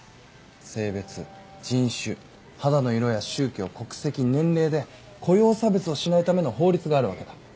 性別人種肌の色や宗教国籍年齢で雇用差別をしないための法律があるわけだ。